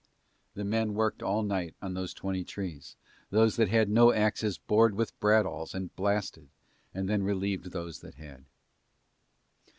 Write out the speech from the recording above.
The men worked all night on those twenty trees, those that had no axes bored with bradawls and blasted, and then relieved those that had.